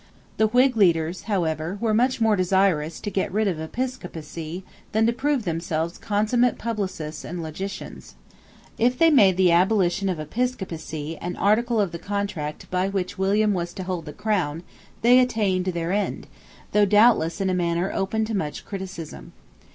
The Whig leaders however were much more desirous to get rid of episcopacy than to prove themselves consummate publicists and logicians. If they made the abolition of episcopacy an article of the contract by which William was to hold the crown, they attained their end, though doubtless in a manner open to much criticism.